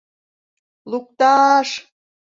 — Лукта-а-аш!!!...